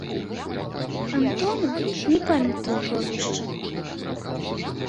Антона, не памятаю прозвішча.